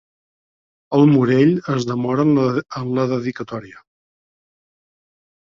El Morell es demora en la dedicatòria.